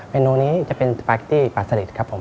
เมนูนี้จะเป็นสปาเกตตี้ปลาสลิดครับผม